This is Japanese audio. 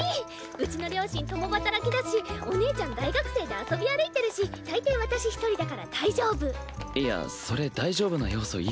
うちの両親共働きだしお姉ちゃん大学生で遊び歩いてるし大抵私一人だから大丈夫。